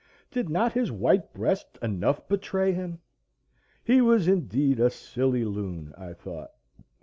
Did not his white breast enough betray him? He was indeed a silly loon, I thought.